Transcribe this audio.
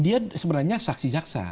dia sebenarnya saksi jaksa